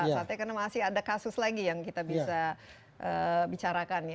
karena masih ada kasus lagi yang kita bisa bicarakan ya